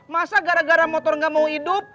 masa gara gara motor nggak mau hidup